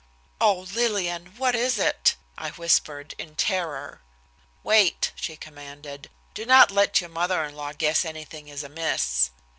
"Oh, Lillian, what is it?" I whispered in terror. "Wait," she commanded. "Do not let your mother in law guess anything is amiss."